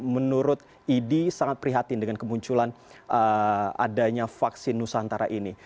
menurut idi sangat prihatin dengan kemunculan adanya vaksin nusantara ini